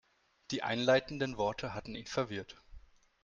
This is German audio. Die einleitenden Worte hatten ihn verwirrt.